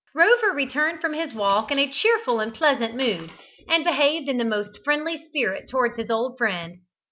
Rover returned from his walk in a cheerful and pleasant mood, and behaved in the most friendly spirit towards his old friend.